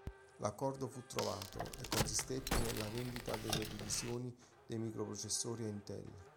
L'accordo fu trovato e consistette nella vendita della divisione dei microprocessori a Intel.